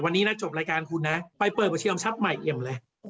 วันนี้นะจบรายการคุณนะไปเปิดประเชียอมทรัพย์ใหม่เอี่ยมเลย